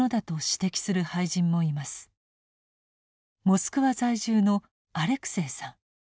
モスクワ在住のアレクセイさん。